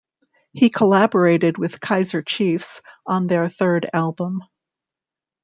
He collaborated with Kaiser Chiefs on their third album.